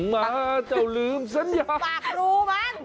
มาเจ้าลืมสัญญาฝากรูมัน